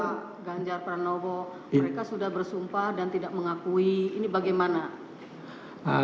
pak ganjar pranowo mereka sudah bersumpah dan tidak mengakui ini bagaimana